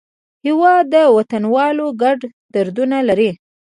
هېواد د وطنوالو ګډ دردونه لري.